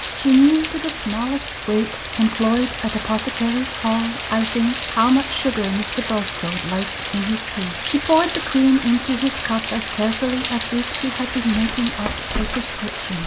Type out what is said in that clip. She knew to the smallest weight employed at Apothecaries' Hall, I think how much sugar Mr. Bulstrode liked in his tea. She poured the cream into his cup as carefully as if she had been making up a prescription.